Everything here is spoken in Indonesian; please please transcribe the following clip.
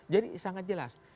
jadi sangat jelas